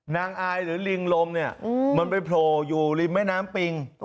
อายหรือลิงลมเนี่ยมันไปโผล่อยู่ริมแม่น้ำปิง